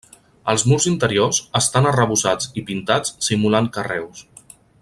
Els murs interiors estan arrebossats i pintats simulant carreus.